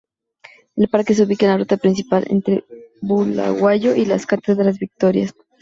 El parque se ubica en la ruta principal entre Bulawayo y las Cataratas Victoria.